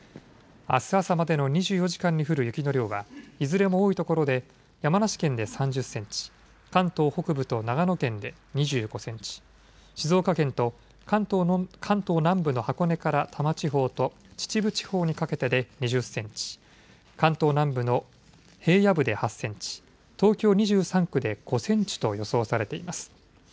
あす朝までの２４時間に降る雪の量はいずれも多いところで山梨県で３０センチ、関東北部と長野県で２５センチ、静岡県と関東南部の箱根から多摩地方と秩父地方にかけてで２０センチ、関東南部の平野部で８センチ、東京２３区で５センチと予想されています。